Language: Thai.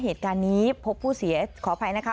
เหตุการณ์นี้พบผู้เสียขออภัยนะคะ